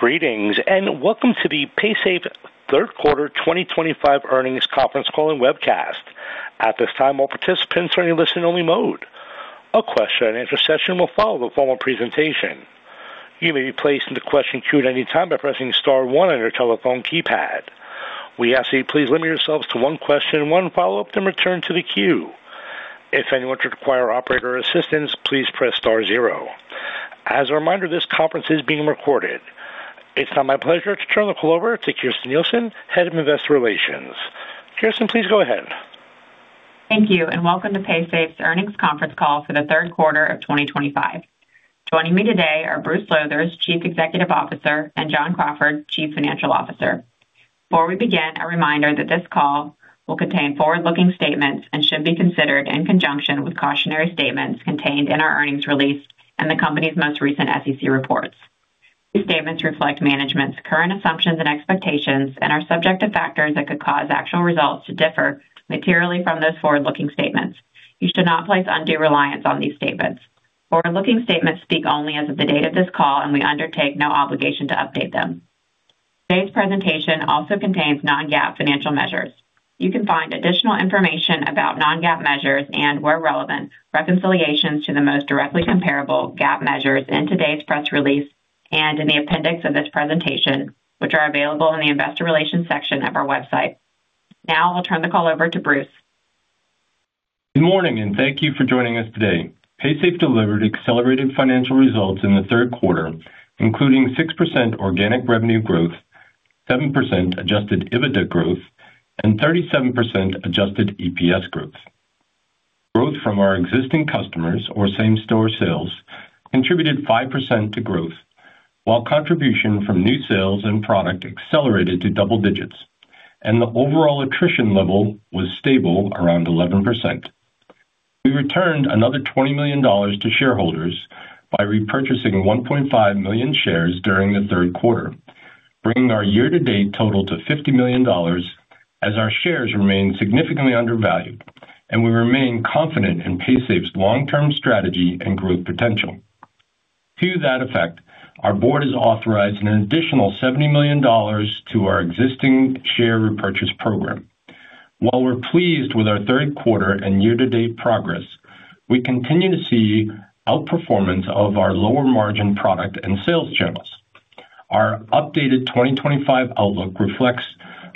Greetings and welcome to the Paysafe third quarter 2025 earnings conference call and webcast. At this time, all participants are in a listen-only mode. A question-and-answer session will follow the formal presentation. You may be placed into question queue at any time by pressing Star 1 on your telephone keypad. We ask that you please limit yourselves to one question, one follow-up, and return to the queue. If anyone should require operator assistance, please press Star 0. As a reminder, this conference is being recorded. It's now my pleasure to turn the call over to Kirsten Nielsen, Head of Investor Relations. Kirsten, please go ahead. Thank you, and welcome to Paysafe's earnings conference call for the third quarter of 2025. Joining me today are Bruce Lowthers, Chief Executive Officer, and John Crawford, Chief Financial Officer. Before we begin, a reminder that this call will contain forward-looking statements and should be considered in conjunction with cautionary statements contained in our earnings release and the company's most recent SEC reports. These statements reflect management's current assumptions and expectations and are subject to factors that could cause actual results to differ materially from those forward-looking statements. You should not place undue reliance on these statements. Forward-looking statements speak only as of the date of this call, and we undertake no obligation to update them. Today's presentation also contains non-GAAP financial measures. You can find additional information about non-GAAP measures and, where relevant, reconciliations to the most directly comparable GAAP measures in today's press release and in the appendix of this presentation, which are available in the Investor Relations section of our website. Now, I'll turn the call over to Bruce. Good morning, and thank you for joining us today. Paysafe delivered accelerated financial results in the third quarter, including 6% organic revenue growth, 7% adjusted EBITDA growth, and 37% adjusted EPS growth. Growth from our existing customers, or same-store sales, contributed 5% to growth, while contribution from new sales and product accelerated to double digits, and the overall attrition level was stable around 11%. We returned another $20 million to shareholders by repurchasing 1.5 million shares during the third quarter, bringing our year-to-date total to $50 million, as our shares remain significantly undervalued, and we remain confident in Paysafe's long-term strategy and growth potential. To that effect, our board has authorized an additional $70 million to our existing share repurchase program. While we're pleased with our third quarter and year-to-date progress, we continue to see outperformance of our lower-margin product and sales channels. Our updated 2025 outlook reflects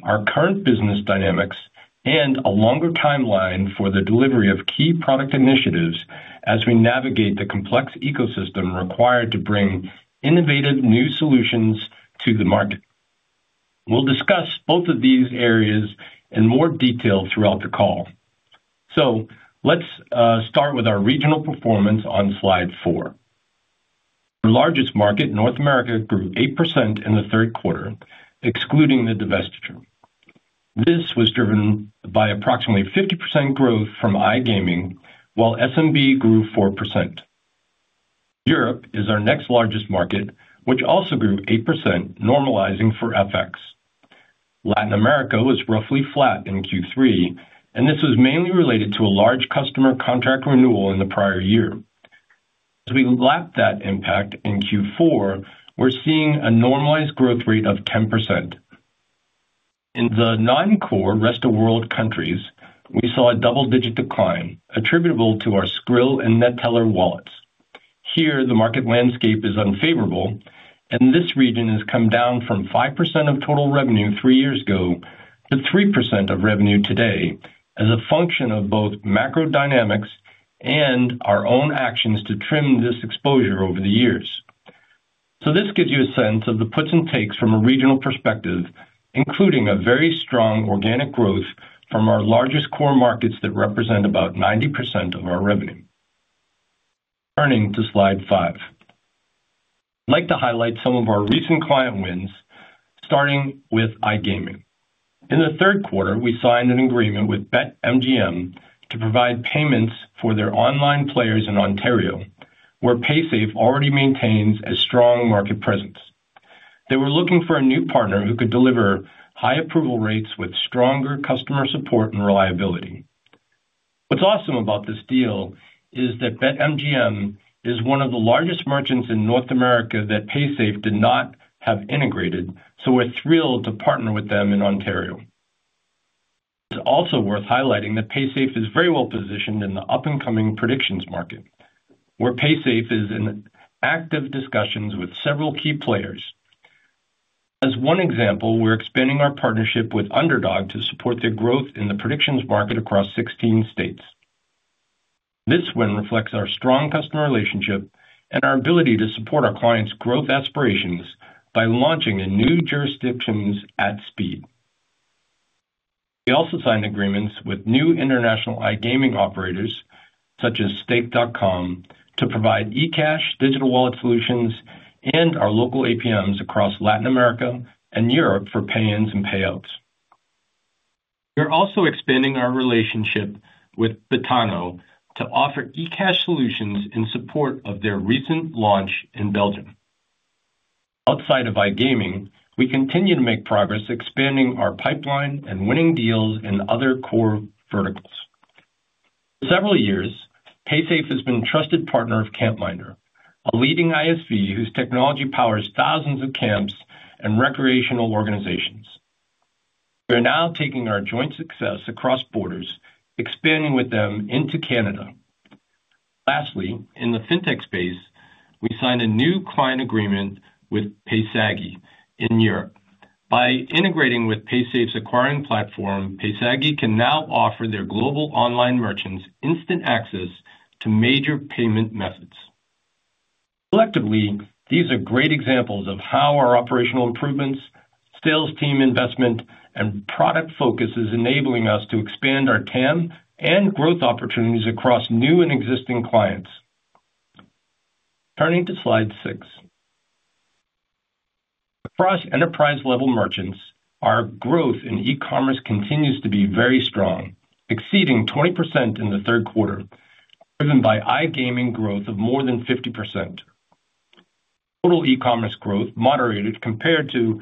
our current business dynamics and a longer timeline for the delivery of key product initiatives as we navigate the complex ecosystem required to bring innovative new solutions to the market. We'll discuss both of these areas in more detail throughout the call. Let's start with our regional performance on slide four. Our largest market, North America, grew 8% in the third quarter, excluding the divestiture. This was driven by approximately 50% growth from iGaming, while SMB grew 4%. Europe is our next largest market, which also grew 8%, normalizing for FX. Latin America was roughly flat in Q3, and this was mainly related to a large customer contract renewal in the prior year. As we lap that impact in Q4, we're seeing a normalized growth rate of 10%. In the non-core rest-of-world countries, we saw a double-digit decline attributable to our Skrill and Neteller wallets. Here, the market landscape is unfavorable, and this region has come down from 5% of total revenue three years ago to 3% of revenue today as a function of both macro dynamics and our own actions to trim this exposure over the years. This gives you a sense of the puts and takes from a regional perspective, including a very strong organic growth from our largest core markets that represent about 90% of our revenue. Turning to slide five, I'd like to highlight some of our recent client wins, starting with iGaming. In the third quarter, we signed an agreement with BetMGM to provide payments for their online players in Ontario, where Paysafe already maintains a strong market presence. They were looking for a new partner who could deliver high approval rates with stronger customer support and reliability. What's awesome about this deal is that BetMGM is one of the largest merchants in North America that Paysafe did not have integrated, so we're thrilled to partner with them in Ontario. It's also worth highlighting that Paysafe is very well positioned in the up-and-coming predictions market, where Paysafe is in active discussions with several key players. As one example, we're expanding our partnership with Underdog to support their growth in the predictions market across 16 states. This win reflects our strong customer relationship and our ability to support our clients' growth aspirations by launching in new jurisdictions at speed. We also signed agreements with new international iGaming operators, such as stake.com, to provide eCash, digital wallet solutions, and our local APMs across Latin America and Europe for pay-ins and payouts. We're also expanding our relationship with Bitano to offer eCash solutions in support of their recent launch in Belgium. Outside of iGaming, we continue to make progress, expanding our pipeline and winning deals in other core verticals. For several years, Paysafe has been a trusted partner of Campminder, a leading ISV whose technology powers thousands of camps and recreational organizations. We're now taking our joint success across borders, expanding with them into Canada. Lastly, in the fintech space, we signed a new client agreement with Paysagi in Europe. By integrating with Paysafe's acquiring platform, Paysagi can now offer their global online merchants instant access to major payment methods. Collectively, these are great examples of how our operational improvements, sales team investment, and product focus are enabling us to expand our TAM and growth opportunities across new and existing clients. Turning to slide six, across enterprise-level merchants, our growth in e-commerce continues to be very strong, exceeding 20% in the third quarter, driven by iGaming growth of more than 50%. Total e-commerce growth moderated compared to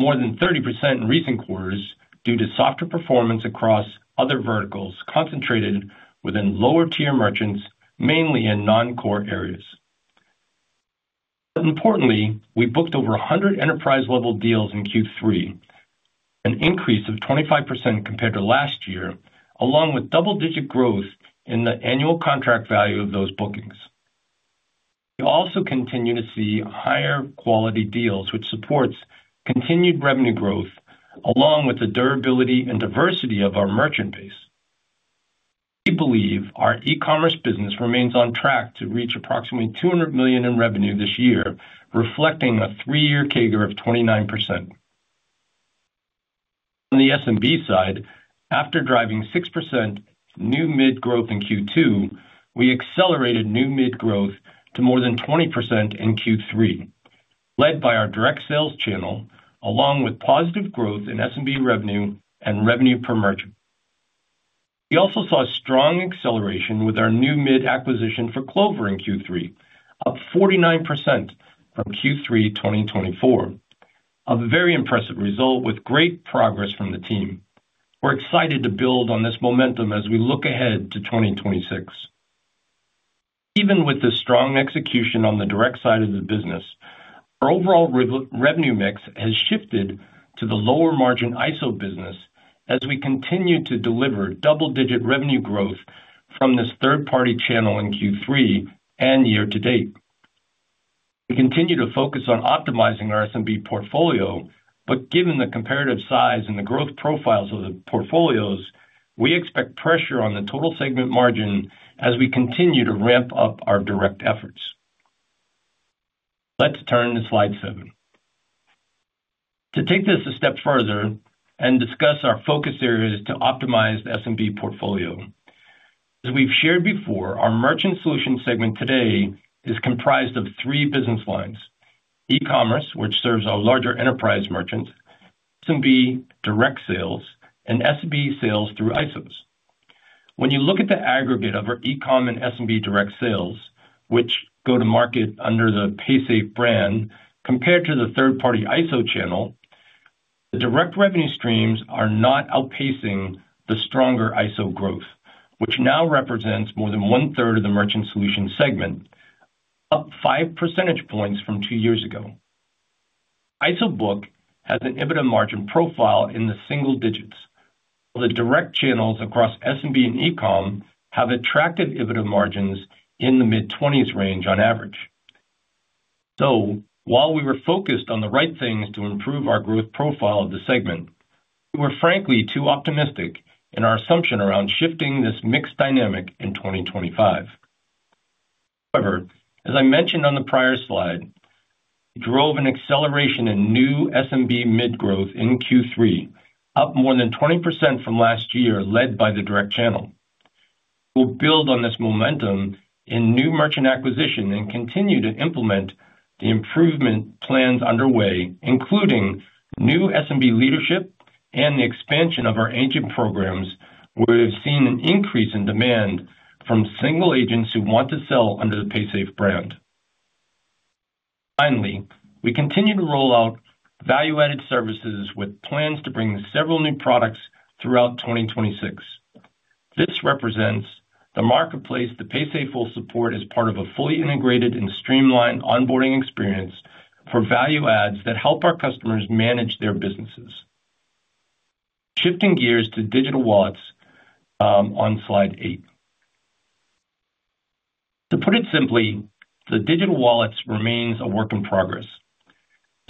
more than 30% in recent quarters due to softer performance across other verticals concentrated within lower-tier merchants, mainly in non-core areas. Importantly, we booked over 100 enterprise-level deals in Q3, an increase of 25% compared to last year, along with double-digit growth in the annual contract value of those bookings. We also continue to see higher quality deals, which supports continued revenue growth, along with the durability and diversity of our merchant base. We believe our e-commerce business remains on track to reach approximately $200 million in revenue this year, reflecting a three-year CAGR of 29%. On the SMB side, after driving 6% new mid growth in Q2, we accelerated new mid growth to more than 20% in Q3, led by our direct sales channel, along with positive growth in SMB revenue and revenue per merchant. We also saw a strong acceleration with our new mid acquisition for Clover in Q3, up 49% from Q3 2023, a very impressive result with great progress from the team. We're excited to build on this momentum as we look ahead to 2026. Even with the strong execution on the direct side of the business, our overall revenue mix has shifted to the lower-margin ISO business as we continue to deliver double-digit revenue growth from this third-party channel in Q3 and year-to-date. We continue to focus on optimizing our SMB portfolio, but given the comparative size and the growth profiles of the portfolios, we expect pressure on the total segment margin as we continue to ramp up our direct efforts. Let's turn to slide seven. To take this a step further and discuss our focus areas to optimize the SMB portfolio. As we've shared before, our merchant solution segment today is comprised of three business lines: e-commerce, which serves our larger enterprise merchants; SMB direct sales; and SMB sales through ISOs. When you look at the aggregate of our e-com and SMB direct sales, which go to market under the Paysafe brand compared to the third-party ISO channel, the direct revenue streams are not outpacing the stronger ISO growth, which now represents more than one-third of the merchant solution segment, up 5 percentage points from two years ago. ISO Book has an EBITDA margin profile in the single digits, while the direct channels across SMB and e-com have attractive EBITDA margins in the mid-20s range on average. While we were focused on the right things to improve our growth profile of the segment, we were frankly too optimistic in our assumption around shifting this mixed dynamic in 2025. However, as I mentioned on the prior slide, we drove an acceleration in new SMB mid growth in Q3, up more than 20% from last year, led by the direct channel. We'll build on this momentum in new merchant acquisition and continue to implement the improvement plans underway, including new SMB leadership and the expansion of our agent programs, where we've seen an increase in demand from single agents who want to sell under the Paysafe brand. Finally, we continue to roll out value-added services with plans to bring several new products throughout 2026. This represents the marketplace that Paysafe will support as part of a fully integrated and streamlined onboarding experience for value-adds that help our customers manage their businesses. Shifting gears to digital wallets on slide eight. To put it simply, the digital wallets remain a work in progress.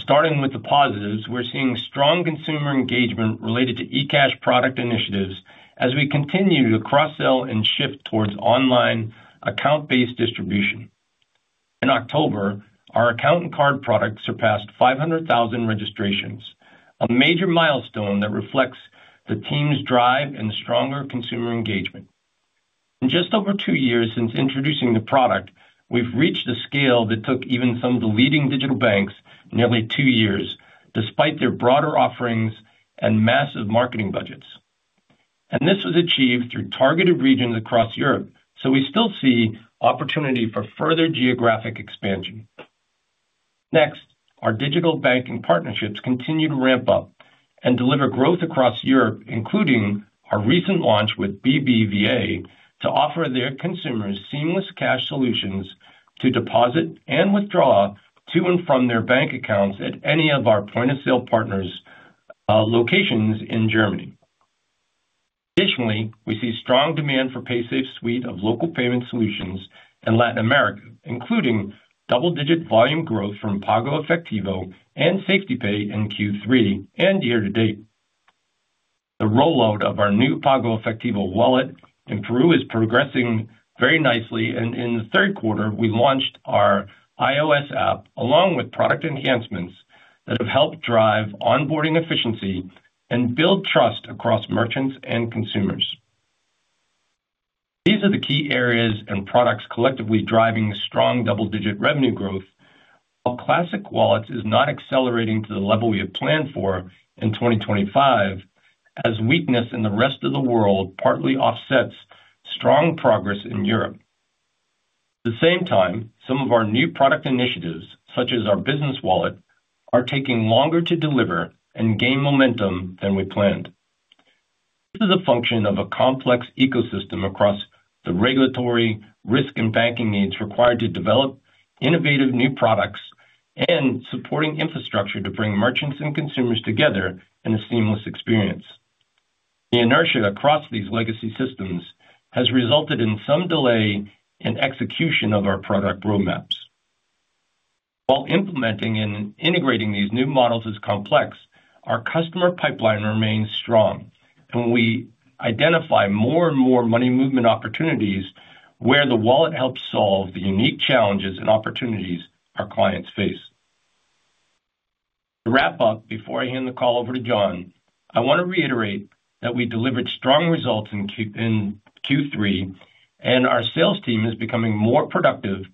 Starting with the positives, we're seeing strong consumer engagement related to eCash product initiatives as we continue to cross-sell and shift towards online account-based distribution. In October, our account and card product surpassed 500,000 registrations, a major milestone that reflects the team's drive and stronger consumer engagement. In just over two years since introducing the product, we've reached a scale that took even some of the leading digital banks nearly two years, despite their broader offerings and massive marketing budgets. This was achieved through targeted regions across Europe, so we still see opportunity for further geographic expansion. Next, our digital banking partnerships continue to ramp up and deliver growth across Europe, including our recent launch with BBVA to offer their consumers seamless cash solutions to deposit and withdraw to and from their bank accounts at any of our point-of-sale partners' locations in Germany. Additionally, we see strong demand for Paysafe's suite of local payment solutions in Latin America, including double-digit volume growth from PagoEfectivo and SafetyPay in Q3 and year-to-date. The rollout of our new PagoEfectivo wallet in Peru is progressing very nicely, and in the third quarter, we launched our iOS app along with product enhancements that have helped drive onboarding efficiency and build trust across merchants and consumers. These are the key areas and products collectively driving strong double-digit revenue growth, while classic wallets are not accelerating to the level we have planned for in 2025, as weakness in the rest of the world partly offsets strong progress in Europe. At the same time, some of our new product initiatives, such as our business wallet, are taking longer to deliver and gain momentum than we planned. This is a function of a complex ecosystem across the regulatory, risk, and banking needs required to develop innovative new products and supporting infrastructure to bring merchants and consumers together in a seamless experience. The inertia across these legacy systems has resulted in some delay in execution of our product roadmaps. While implementing and integrating these new models is complex, our customer pipeline remains strong, and we identify more and more money movement opportunities where the wallet helps solve the unique challenges and opportunities our clients face. To wrap up, before I hand the call over to John, I want to reiterate that we delivered strong results in Q3, and our sales team is becoming more productive,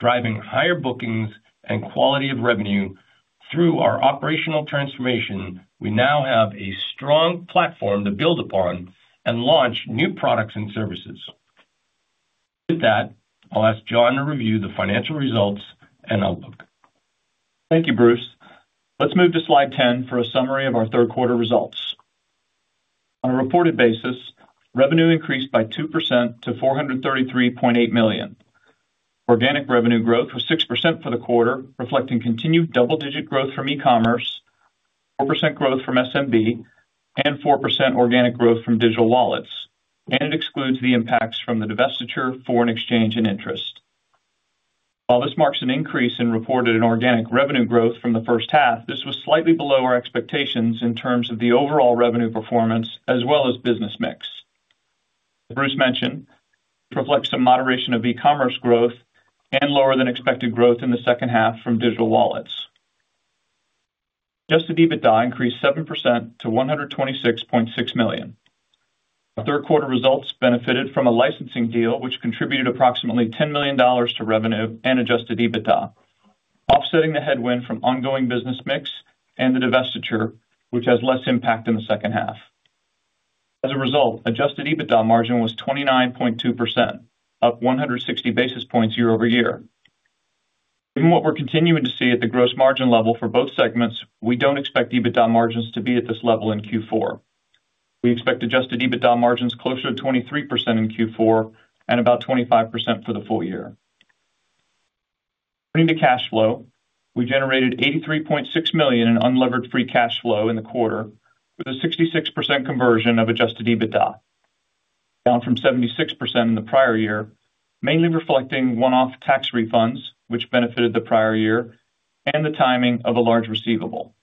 driving higher bookings and quality of revenue through our operational transformation. We now have a strong platform to build upon and launch new products and services. With that, I'll ask John to review the financial results and outlook. Thank you, Bruce. Let's move to slide 10 for a summary of our third-quarter results. On a reported basis, revenue increased by 2% to $433.8 million. Organic revenue growth was 6% for the quarter, reflecting continued double-digit growth from e-commerce, 4% growth from SMB, and 4% organic growth from digital wallets, and it excludes the impacts from the divestiture, foreign exchange, and interest. While this marks an increase in reported organic revenue growth from the first half, this was slightly below our expectations in terms of the overall revenue performance as well as business mix. As Bruce mentioned, it reflects a moderation of e-commerce growth and lower-than-expected growth in the second half from digital wallets. Adjusted EBITDA increased 7% to $126.6 million. Our third-quarter results benefited from a licensing deal, which contributed approximately $10 million to revenue and adjusted EBITDA, offsetting the headwind from ongoing business mix and the divestiture, which has less impact in the second half. As a result, adjusted EBITDA margin was 29.2%, up 160 basis points year-over-year. Given what we're continuing to see at the gross margin level for both segments, we don't expect EBITDA margins to be at this level in Q4. We expect adjusted EBITDA margins closer to 23% in Q4 and about 25% for the full year. Turning to cash flow, we generated $83.6 million in unlevered free cash flow in the quarter, with a 66% conversion of adjusted EBITDA, down from 76% in the prior year, mainly reflecting one-off tax refunds, which benefited the prior year, and the timing of a large receivable.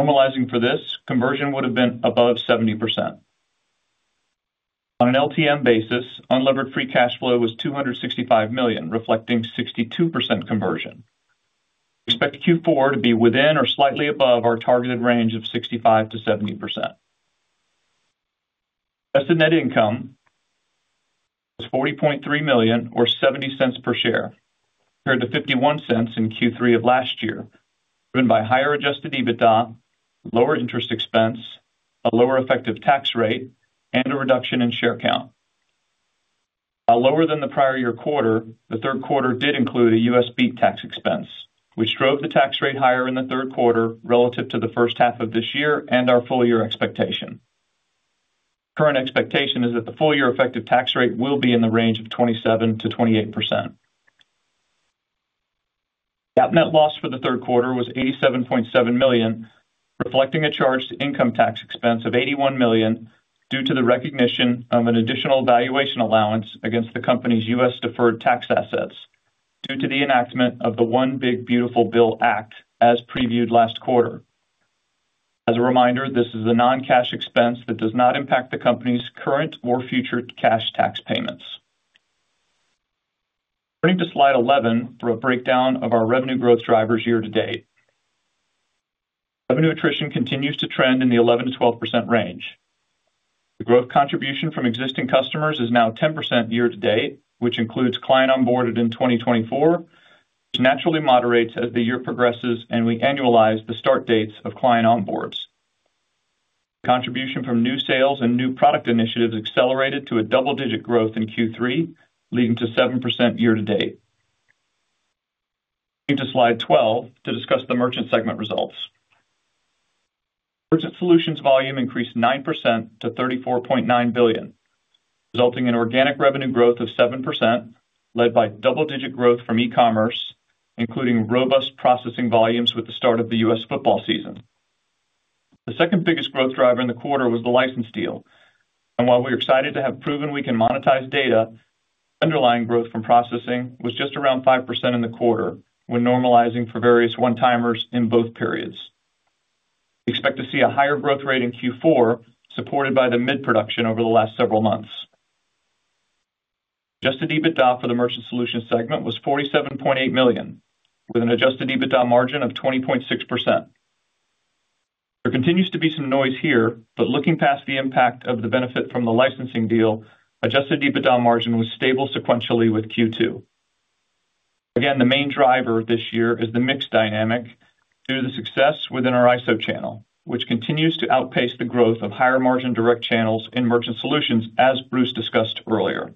Normalizing for this, conversion would have been above 70%. On an LTM basis, unlevered free cash flow was $265 million, reflecting 62% conversion. We expect Q4 to be within or slightly above our targeted range of 65%-70%. Adjusted net income was $40.3 million, or $0.70 per share, compared to $0.51 in Q3 of last year, driven by higher adjusted EBITDA, lower interest expense, a lower effective tax rate, and a reduction in share count. While lower than the prior year quarter, the third quarter did include a U.S. beat tax expense, which drove the tax rate higher in the third quarter relative to the first half of this year and our full-year expectation. Current expectation is that the full-year effective tax rate will be in the range of 27%-28%. GAAP net loss for the third quarter was $87.7 million, reflecting a charged income tax expense of $81 million due to the recognition of an additional valuation allowance against the company's U.S.-deferred tax assets due to the enactment of the One Big Beautiful Bill Act, as previewed last quarter. As a reminder, this is a non-cash expense that does not impact the company's current or future cash tax payments. Turning to slide 11 for a breakdown of our revenue growth drivers year-to-date. Revenue attrition continues to trend in the 11%-12% range. The growth contribution from existing customers is now 10% year-to-date, which includes clients onboarded in 2024, which naturally moderates as the year progresses and we annualize the start dates of client onboards. Contribution from new sales and new product initiatives accelerated to a double-digit growth in Q3, leading to 7% year-to-date. Moving to slide 12 to discuss the merchant segment results. Merchant solutions volume increased 9% to $34.9 billion, resulting in organic revenue growth of 7%, led by double-digit growth from e-commerce, including robust processing volumes with the start of the U.S. football season. The second biggest growth driver in the quarter was the license deal. While we are excited to have proven we can monetize data, underlying growth from processing was just around 5% in the quarter, when normalizing for various one-timers in both periods. We expect to see a higher growth rate in Q4, supported by the mid-production over the last several months. Adjusted EBITDA for the merchant solution segment was $47.8 million, with an adjusted EBITDA margin of 20.6%. There continues to be some noise here, but looking past the impact of the benefit from the licensing deal, adjusted EBITDA margin was stable sequentially with Q2. Again, the main driver this year is the mix dynamic due to the success within our ISO channel, which continues to outpace the growth of higher margin direct channels in merchant solutions, as Bruce discussed earlier.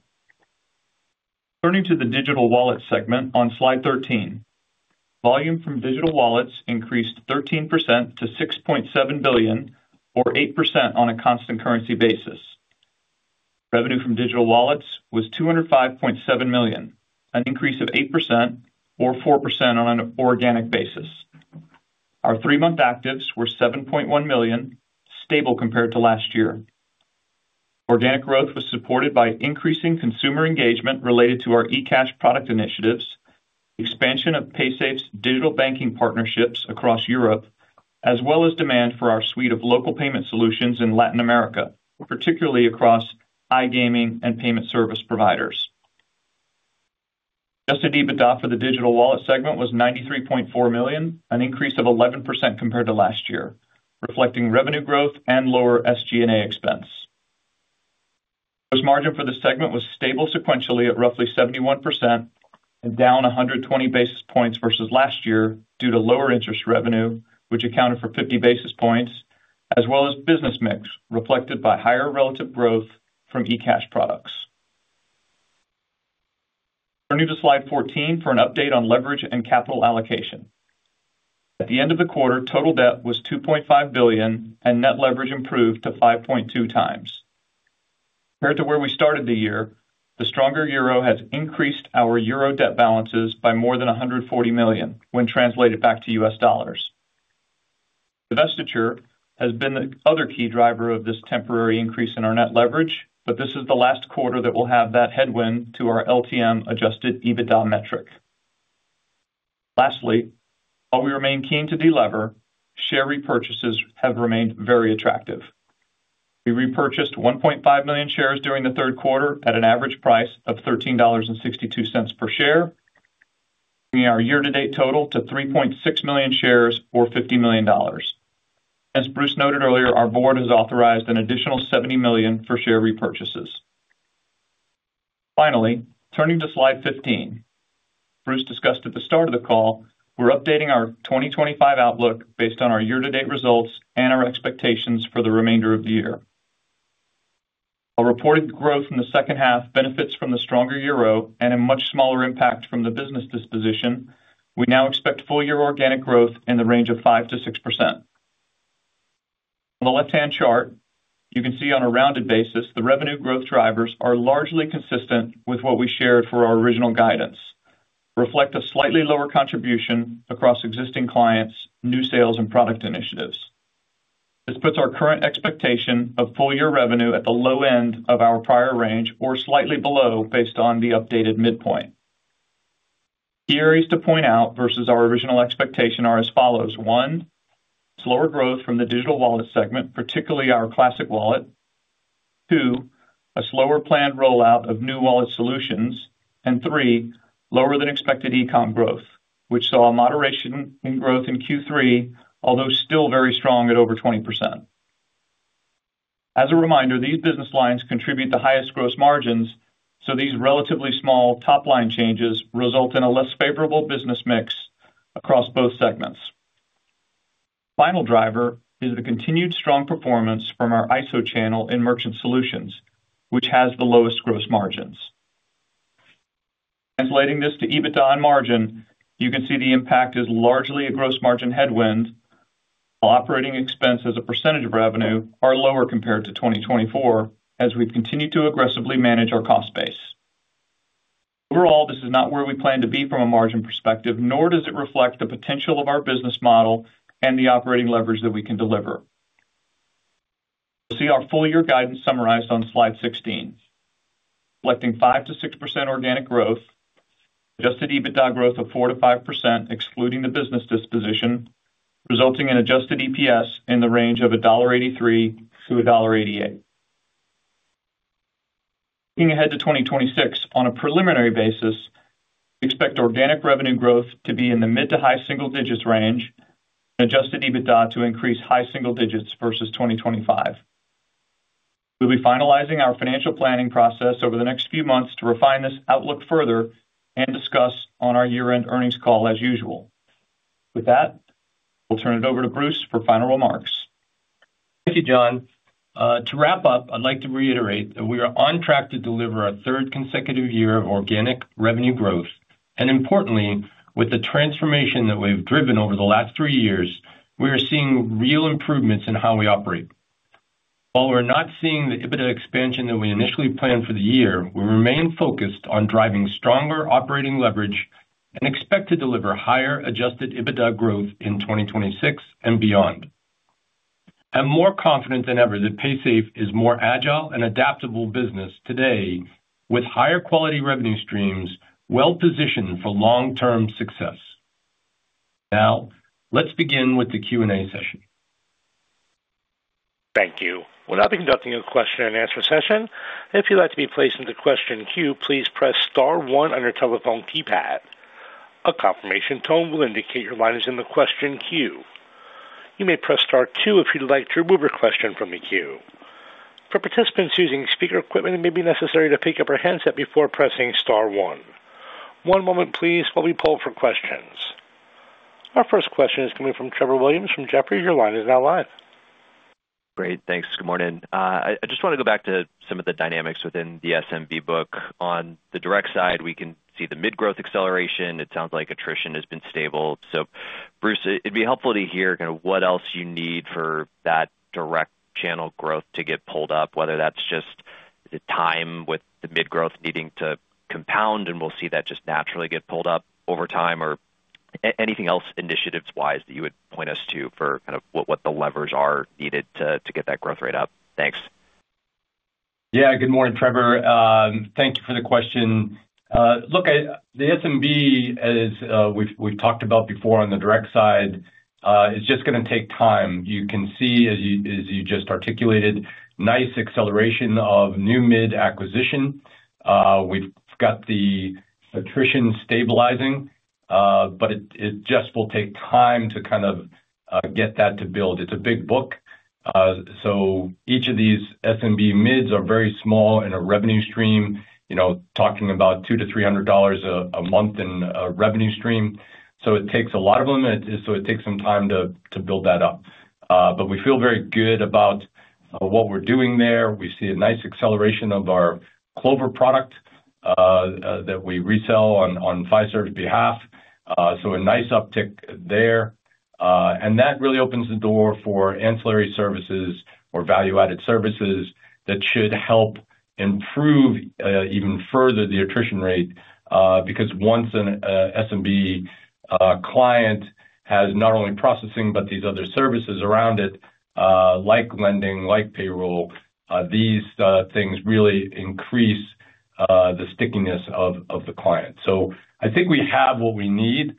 Turning to the digital wallet segment on slide 13, volume from digital wallets increased 13% to $6.7 billion, or 8% on a constant currency basis. Revenue from digital wallets was $205.7 million, an increase of 8%, or 4% on an organic basis. Our three-month actives were 7.1 million, stable compared to last year. Organic growth was supported by increasing consumer engagement related to our eCash product initiatives, the expansion of Paysafe's digital banking partnerships across Europe, as well as demand for our suite of local payment solutions in Latin America, particularly across iGaming and payment service providers. Adjusted EBITDA for the digital wallet segment was $93.4 million, an increase of 11% compared to last year, reflecting revenue growth and lower SG&A expense. Gross margin for the segment was stable sequentially at roughly 71% and down 120 basis points versus last year due to lower interest revenue, which accounted for 50 basis points, as well as business mix, reflected by higher relative growth from eCash products. Turning to slide 14 for an update on leverage and capital allocation. At the end of the quarter, total debt was $2.5 billion, and net leverage improved to 5.2 times. Compared to where we started the year, the stronger euro has increased our euro debt balances by more than 140 million when translated back to U.S. dollars. Divestiture has been the other key driver of this temporary increase in our net leverage, but this is the last quarter that will have that headwind to our LTM adjusted EBITDA metric. Lastly, while we remain keen to delever, share repurchases have remained very attractive. We repurchased 1.5 million shares during the third quarter at an average price of $13.62 per share, bringing our year-to-date total to 3.6 million shares, or $50 million. As Bruce noted earlier, our board has authorized an additional $70 million for share repurchases. Finally, turning to slide 15, Bruce discussed at the start of the call, we're updating our 2025 outlook based on our year-to-date results and our expectations for the remainder of the year. While reported growth in the second half benefits from the stronger euro and a much smaller impact from the business disposition, we now expect full-year organic growth in the range of 5%-6%. On the left-hand chart, you can see on a rounded basis, the revenue growth drivers are largely consistent with what we shared for our original guidance, reflect a slightly lower contribution across existing clients, new sales, and product initiatives. This puts our current expectation of full-year revenue at the low end of our prior range, or slightly below based on the updated midpoint. Key areas to point out versus our original expectation are as follows. One, slower growth from the digital wallet segment, particularly our classic wallet. Two, a slower planned rollout of new wallet solutions. Three, lower than expected e-com growth, which saw a moderation in growth in Q3, although still very strong at over 20%. As a reminder, these business lines contribute the highest gross margins, so these relatively small top-line changes result in a less favorable business mix across both segments. Final driver is the continued strong performance from our ISO channel in merchant solutions, which has the lowest gross margins. Translating this to EBITDA and margin, you can see the impact is largely a gross margin headwind, while operating expense as a percentage of revenue are lower compared to 2024, as we've continued to aggressively manage our cost base. Overall, this is not where we plan to be from a margin perspective, nor does it reflect the potential of our business model and the operating leverage that we can deliver. You'll see our full-year guidance summarized on slide 16, reflecting 5%-6% organic growth, adjusted EBITDA growth of 4%-5%, excluding the business disposition, resulting in adjusted EPS in the range of $1.83-$1.88. Looking ahead to 2026, on a preliminary basis, we expect organic revenue growth to be in the mid to high single digits range, and adjusted EBITDA to increase high single digits versus 2025. We'll be finalizing our financial planning process over the next few months to refine this outlook further and discuss on our year-end earnings call, as usual. With that, we'll turn it over to Bruce for final remarks. Thank you, John. To wrap up, I'd like to reiterate that we are on track to deliver our third consecutive year of organic revenue growth. Importantly, with the transformation that we've driven over the last three years, we are seeing real improvements in how we operate. While we're not seeing the EBITDA expansion that we initially planned for the year, we remain focused on driving stronger operating leverage and expect to deliver higher adjusted EBITDA growth in 2026 and beyond. I'm more confident than ever that Paysafe is a more agile and adaptable business today, with higher quality revenue streams well-positioned for long-term success. Now, let's begin with the Q&A session. Thank you. We'll now be conducting a question-and-answer session. If you'd like to be placed in the question queue, please press star one on your telephone keypad. A confirmation tone will indicate your line is in the question queue. You may press star two if you'd like to remove your question from the queue. For participants using speaker equipment, it may be necessary to pick up your handset before pressing star one. One moment, please, while we pull for questions. Our first question is coming from Trevor Williams from Jefferies. Your line is now live. Great. Thanks. Good morning. I just want to go back to some of the dynamics within the SMB book. On the direct side, we can see the mid-growth acceleration. It sounds like attrition has been stable. Bruce, it'd be helpful to hear kind of what else you need for that direct channel growth to get pulled up, whether that's just the time with the mid-growth needing to compound, and we'll see that just naturally get pulled up over time, or anything else initiatives-wise that you would point us to for kind of what the levers are needed to get that growth rate up. Thanks. Yeah. Good morning, Trevor. Thank you for the question. Look, the SMB, as we've talked about before on the direct side, is just going to take time. You can see, as you just articulated, nice acceleration of new mid acquisition. We've got the attrition stabilizing, but it just will take time to kind of get that to build. It's a big book. Each of these SMB mids are very small in a revenue stream, talking about $200-$300 a month in a revenue stream. It takes a lot of them, and it takes some time to build that up. We feel very good about what we're doing there. We see a nice acceleration of our Clover product that we resell on Fiserv's behalf. A nice uptick there. That really opens the door for ancillary services or value-added services that should help improve even further the attrition rate, because once an SMB client has not only processing but these other services around it, like lending, like payroll, these things really increase the stickiness of the client. I think we have what we need.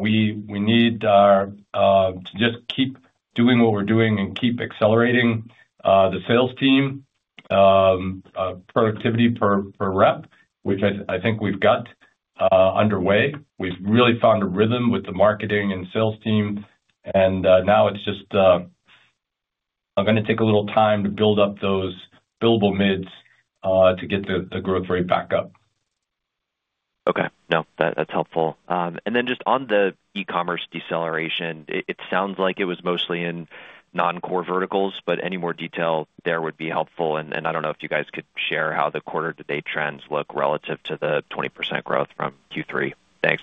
We need to just keep doing what we're doing and keep accelerating the sales team, productivity per rep, which I think we've got underway. We've really found a rhythm with the marketing and sales team, and now it's just going to take a little time to build up those billable mids to get the growth rate back up. Okay. No, that's helpful. Then just on the e-commerce deceleration, it sounds like it was mostly in non-core verticals, but any more detail there would be helpful. I don't know if you guys could share how the quarter-to-date trends look relative to the 20% growth from Q3. Thanks.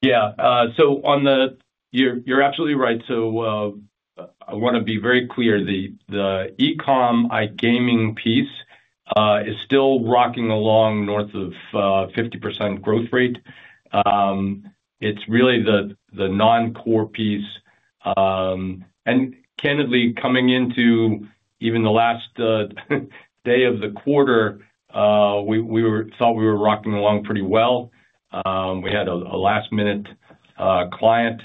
Yeah. You're absolutely right. I want to be very clear. The e-com, iGaming piece is still rocking along north of 50% growth rate. It's really the non-core piece. Candidly, coming into even the last day of the quarter, we thought we were rocking along pretty well. We had a last-minute client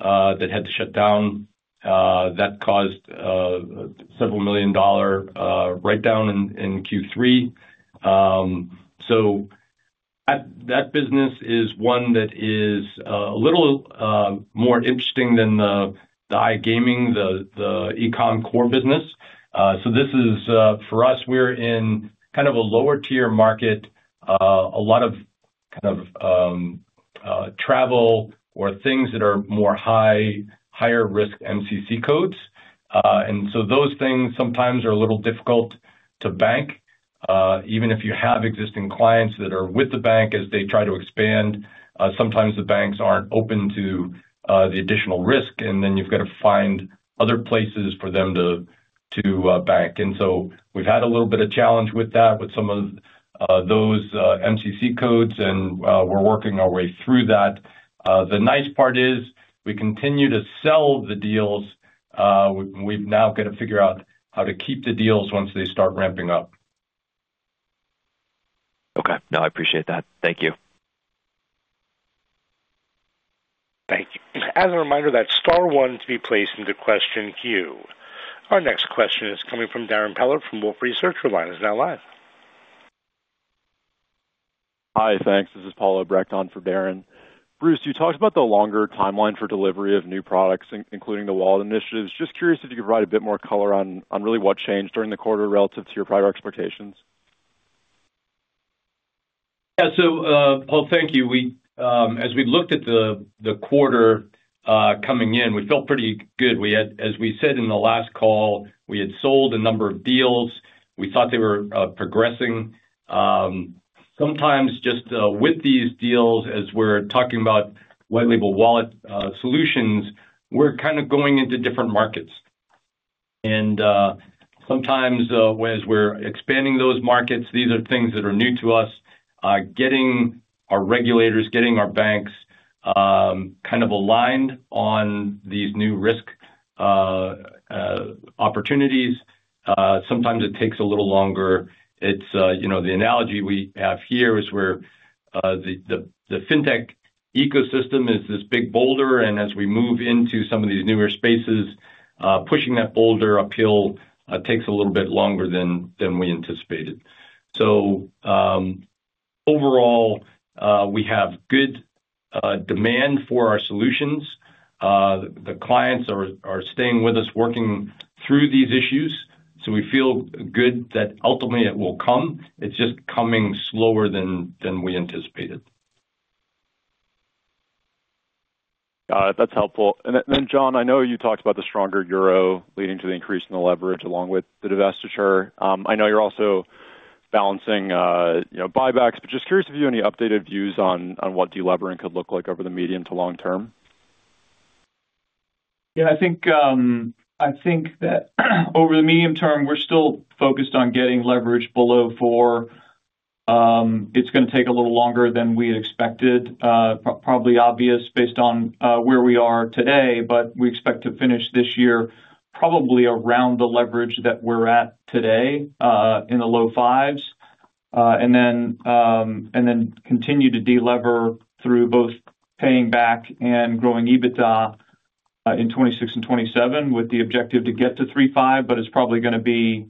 that had to shut down. That caused a several million dollar write-down in Q3. That business is one that is a little more interesting than the iGaming, the e-com core business. For us, we're in kind of a lower-tier market. A lot of kind of travel or things that are more higher-risk MCC codes. Those things sometimes are a little difficult to bank, even if you have existing clients that are with the bank as they try to expand. Sometimes the banks are not open to the additional risk, and then you have to find other places for them to bank. We've had a little bit of challenge with that, with some of those MCC codes, and we're working our way through that. The nice part is we continue to sell the deals. We've now got to figure out how to keep the deals once they start ramping up. Okay. No, I appreciate that. Thank you. Thank you As a reminder, that's star one to be placed in the question queue. Our next question is coming from Darrin Peller from Wolfe Research. Your line is now live. Hi. Thanks. This is Paul Obrecht on for Darrin. Bruce, you talked about the longer timeline for delivery of new products, including the wallet initiatives. Just curious if you could provide a bit more color on really what changed during the quarter relative to your prior expectations. Yeah. Paul, thank you. As we looked at the quarter coming in, we felt pretty good. As we said in the last call, we had sold a number of deals. We thought they were progressing. Sometimes just with these deals, as we're talking about white-label wallet solutions, we're kind of going into different markets. Sometimes as we're expanding those markets, these are things that are new to us. Getting our regulators, getting our banks kind of aligned on these new risk opportunities, sometimes it takes a little longer. The analogy we have here is where the fintech ecosystem is this big boulder, and as we move into some of these newer spaces, pushing that boulder uphill takes a little bit longer than we anticipated. Overall, we have good demand for our solutions. The clients are staying with us, working through these issues. We feel good that ultimately it will come. It's just coming slower than we anticipated. That's helpful. Then, John, I know you talked about the stronger euro leading to the increase in the leverage along with the divestiture. I know you're also balancing buybacks, but just curious if you have any updated views on what delevering could look like over the medium to long term. Yeah. I think that over the medium term, we're still focused on getting leverage below 4. It's going to take a little longer than we expected. Probably obvious based on where we are today, but we expect to finish this year probably around the leverage that we're at today in the low 5s. Then continue to delever through both paying back and growing EBITDA in 2026 and 2027 with the objective to get to 3.5, but it's probably going to be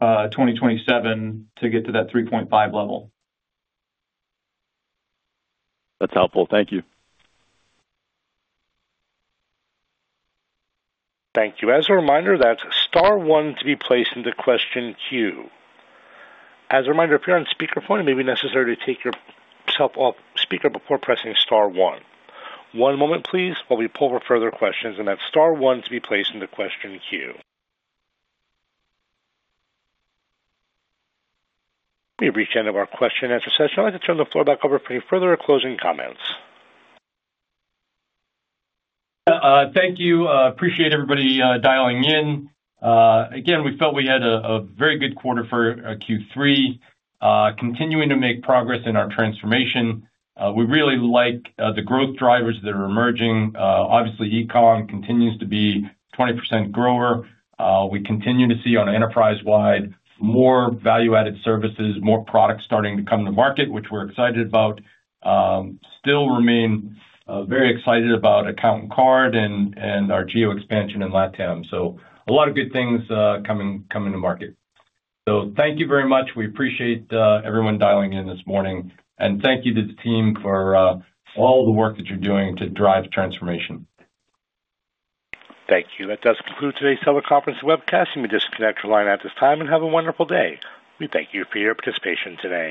2027 to get to that 3.5 level. That's helpful. Thank you. Thank you. As a reminder, that's star one to be placed in the question queue. As a reminder, if you're on speakerphone, it may be necessary to take yourself off speaker before pressing star one. One moment, please, while we pull for further questions. That's star one to be placed in the question queue. Let me reach into our question-and-answer session. I'd like to turn the floor back over for any further closing comments. Thank you. Appreciate everybody dialing in. Again, we felt we had a very good quarter for Q3, continuing to make progress in our transformation. We really like the growth drivers that are emerging. Obviously, e-com continues to be a 20% grower. We continue to see on enterprise-wide more value-added services, more products starting to come to market, which we're excited about. Still remain very excited about account and card and our geo-expansion in LATAM. A lot of good things coming to market. Thank you very much. We appreciate everyone dialing in this morning. Thank you to the team for all the work that you're doing to drive transformation. Thank you. That does conclude today's teleconference webcast. You may disconnect your line at this time and have a wonderful day. We thank you for your participation today.